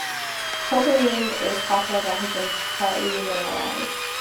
Copaline is copal that has been partly mineralised.